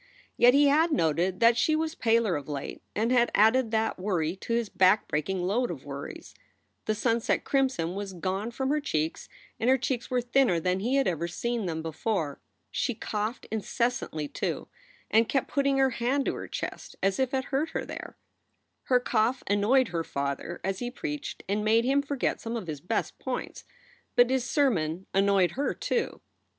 Yet he had noted that she was paler of late and had added that worry to his backbreaking load of worries. The sunset crimson was gone from her cheeks and her cheeks were thinner than he had ever seen them before. She coughed incessantly, too, and kept putting her hand to her chest as if it hurt her there. Her cough annoyed her father as he preached and made him forget some of his best points. But his sermon an noyed her, too.